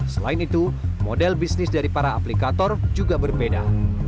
selain itu model bisnis dari para aplikator juga berbeda